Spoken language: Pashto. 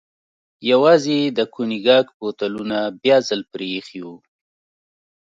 یوازې یې د کونیګاک بوتلونه بیا ځل پرې ایښي و.